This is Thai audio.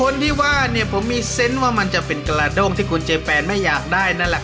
คนที่ว่าเนี่ยผมมีเซนต์ว่ามันจะเป็นกระด้งที่คนเจอแฟนไม่อยากได้นั่นแหละ